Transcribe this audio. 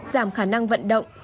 giảm khả năng vận động